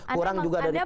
kurang juga daripada